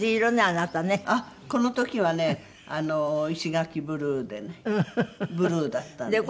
あっこの時はねあの石垣ブルーでねブルーだったんです。